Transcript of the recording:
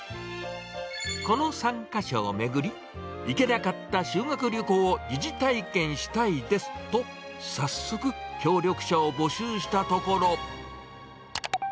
この３か所を巡り、行けなかった修学旅行を疑似体験したいですと、早速、協力者を募集したところ。